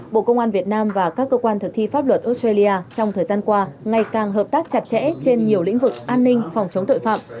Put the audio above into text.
bộ công an việt nam và các cơ quan thực thi pháp luật australia trong thời gian qua ngày càng hợp tác chặt chẽ trên nhiều lĩnh vực an ninh phòng chống tội phạm